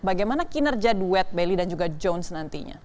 bagaimana kinerja duet bally dan juga jones nantinya